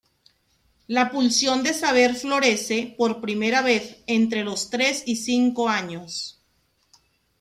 La pulsión de saber florece por primera vez entre los tres y cinco años.